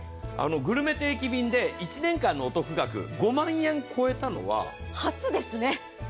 グルメ定期便で１年間のお得額、５万円超えたのは初です。